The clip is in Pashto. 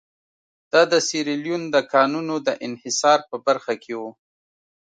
دا د سیریلیون د کانونو د انحصار په برخه کې وو.